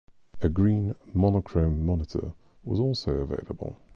A green monochrome monitor was also available.